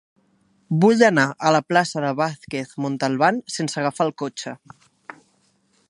Vull anar a la plaça de Vázquez Montalbán sense agafar el cotxe.